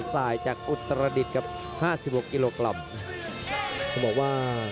ทุกคนค่ะ